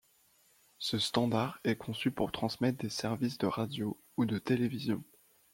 Ce standard est conçu pour transmettre des services de radio ou de télévision.